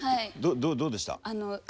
どうでした？